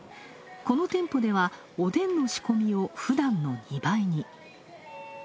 この店舗では、おでんの仕込みをふだんの２倍に。